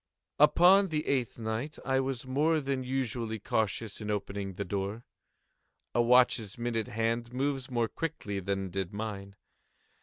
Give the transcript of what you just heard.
Upon the eighth night I was more than usually cautious in opening the door. A watch's minute hand moves more quickly than did mine.